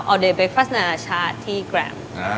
ออเดเบคฟัสนานาชาติที่กรัม